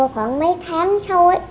khoảng mấy tháng sau ấy